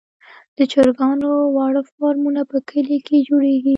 د چرګانو واړه فارمونه په کليو کې جوړیږي.